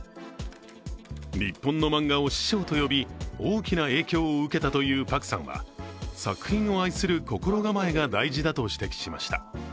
日本の漫画を師匠と呼び、大きな影響を受けたというパクさんは作品を愛する心構えが大事だと指摘しました。